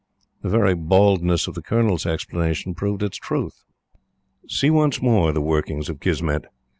The very baldness of the Colonel's explanation proved its truth. See once more the workings of Kismet!